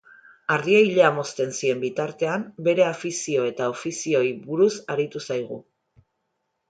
Ardiei ilea mozten zien bitartean bere afizio eta ofizioei buruz aritu zaigu.